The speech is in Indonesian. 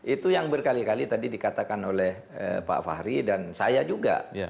itu yang berkali kali tadi dikatakan oleh pak fahri dan saya juga